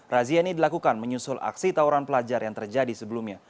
razia ini dilakukan menyusul aksi tawuran pelajar yang terjadi sebelumnya